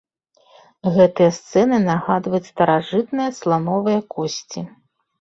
Гэтыя сцэны нагадваюць старажытныя слановыя косці.